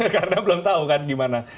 karena belum tahu kan gimana